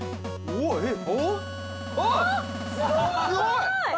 ◆すごい！